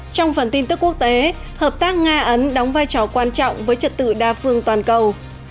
trong phần tin tức quốc tế hợp tác nga ấn đóng vai trò quan trọng với trật tự đa phương toàn cầu